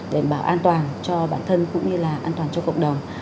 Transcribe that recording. đảm bảo an toàn cho bản thân cũng như là an toàn cho cộng đồng